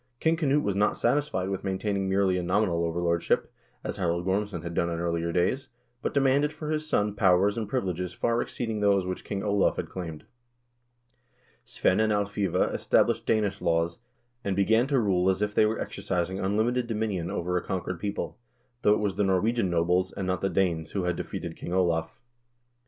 King Knut was not satisfied with maintaining merely a nominal overlordship, as Harald Gormson had done in earlier days, but demanded for his son powers and privileges far exceeding those which King Olav had claimed. Svein and Alfiva established Danish laws, and began to rule as if they were exercising unlimited dominion over a conquered people, though it was the Norwegian nobles, and not the Danes, who had defeated King Olav.